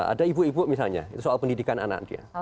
ada ibu ibu misalnya soal pendidikan anak dia